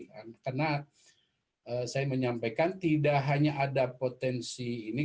karena saya menyampaikan tidak hanya ada potensi ini